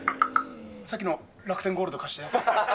さっきの楽天ゴールド貸して。